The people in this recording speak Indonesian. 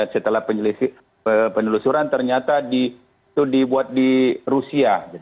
setelah penelusuran ternyata itu dibuat di rusia